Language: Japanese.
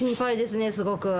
すごく。